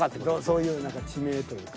そういう何か地名というか。